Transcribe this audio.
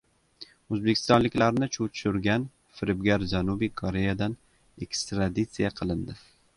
O‘zbekistonliklarni chuv tushirgan firibgar Janubiy Koreyadan ekstradisiya qilindi